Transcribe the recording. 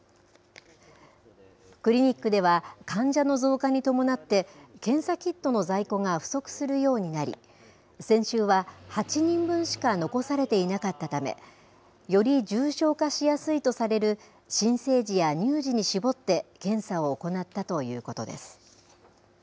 クリニックでは、患者の増加に伴って、検査キットの在庫が不足するようになり、先週は８人分しか残されていなかったため、より重症化しやすいとされる新生児や乳児に絞って、検査を行ったということです。